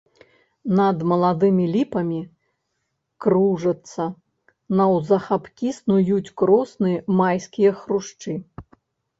Над маладымі ліпамі кружацца, наўзахапкі снуюць кросны майскія хрушчы.